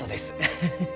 フフフ。